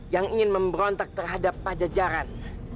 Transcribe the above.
yang ingin memberontak terhadap pajajaran